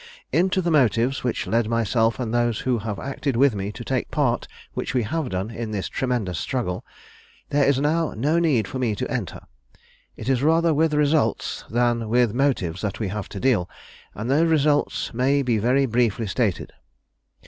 "Into the motives which led myself and those who have acted with me to take the part which we have done in this tremendous struggle, there is now no need for me to enter. It is rather with results than with motives that we have to deal, and those results may be very briefly stated.